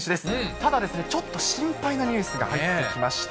ただ、ちょっと心配なニュースが入ってきました。